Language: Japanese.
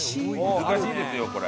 難しいですよこれ。